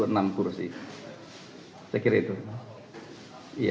ini pertanyaan ada rencana pemerintahan tiga wilayah di papua